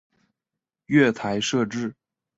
月台设置